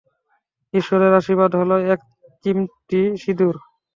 ঈশ্বরের আশীর্বাদ হলো, এক চিমটি সিঁদুর।